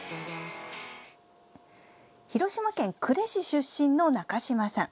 広島県呉市出身の中島さん。